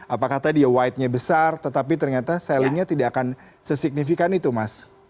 apa kata dia wide nya besar tetapi ternyata sellingnya tidak akan sesignifikan itu mas